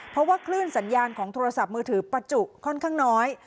เพราะว่าคลื่นสัญญาณของโทรศัพท์มือถือประจุค่อนข้างน้อย